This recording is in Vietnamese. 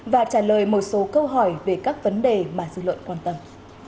và trả lời một số câu hỏi về các vấn đề mà dư luận quan tâm